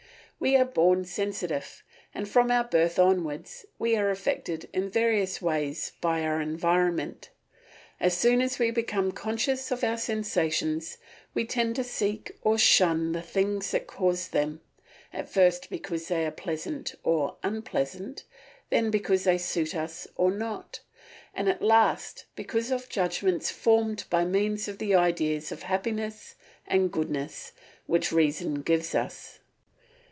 We are born sensitive and from our birth onwards we are affected in various ways by our environment. As soon as we become conscious of our sensations we tend to seek or shun the things that cause them, at first because they are pleasant or unpleasant, then because they suit us or not, and at last because of judgments formed by means of the ideas of happiness and goodness which reason gives us.